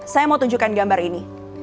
saya mau tunjukkan gambar ini